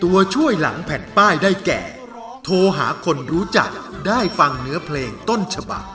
เพื่อจะพิชิตเงินรางวัลตามลำดับขั้นสูงสุดถึง๑ล้านบาท